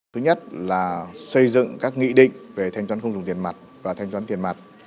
thứ nhất là xây dựng các nghị định về thanh toán không dùng tiền mặt và thanh toán tiền mặt